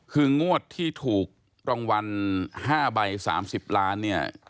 คืองวดที่ถูกรางวัล๕ใบ๓๐ล้านเนี่ย